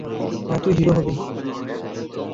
আর তুই হিরো হবি।